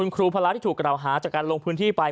ครูพระที่ถูกกล่าวหาจากการลงพื้นที่ไป